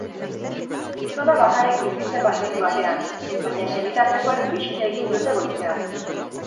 Gizona bakarrik bizi zen baserri batean, baina senitartekoek bisita egin diote goizean.